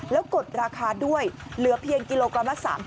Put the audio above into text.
แล้วกดราคาด้วยเหลือเพียงกิโลกรัมละ๓๐